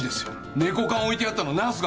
猫缶置いてあったのナースが見たって。